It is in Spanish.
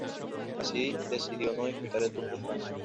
Así, decidió no disputar el Tour de Francia.